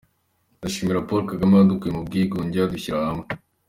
Ndashimira Paul Kagame wadukuye mu bwigunge akadushyira hamwe.